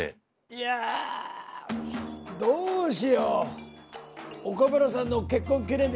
いやどうしよう！